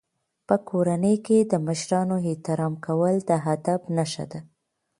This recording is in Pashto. په کورنۍ کې د مشرانو احترام کول د ادب نښه ده.